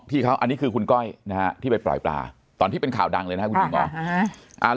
พี่เขาคุณก้อยที่ไปปล่อยปลาตอนที่เป็นข่าวดังเลยนะคุณหิว